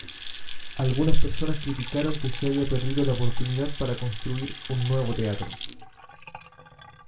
Algunas personas criticaron que se haya perdido la oportunidad para construir un nuevo teatro.